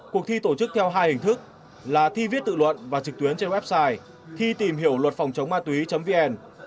cuộc thi tổ chức theo hai hình thức là thi viết tự luận và trực tuyến trên website thi tìm hiểu luật phòng chống ma túy vn